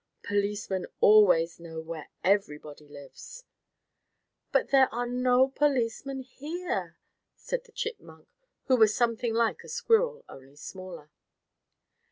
Policemen always know where everybody lives." "But there are no policemen here," said the chipmunk, who was something like a squirrel, only smaller.